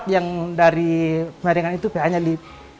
yang dari penyaringan itu ph nya di lima